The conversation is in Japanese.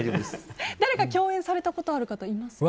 誰か共演されたことある方いらっしゃいますか？